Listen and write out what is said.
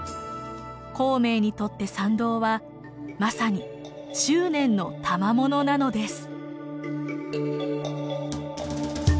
孔明にとって桟道はまさに執念のたまものなのです。